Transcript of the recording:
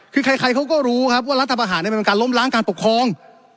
คือใครเขาก็รู้ครับว่ารัฐประหารมันเป็นการล้มล้างการปกครอง